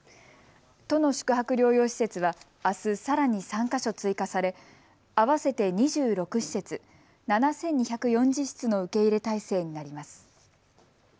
都の宿泊療養施設はあす、さらに３か所、追加され合わせて２６施設、７２４０室の受け入れ体制になります。